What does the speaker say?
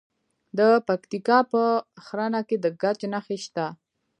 د پکتیکا په ښرنه کې د ګچ نښې شته.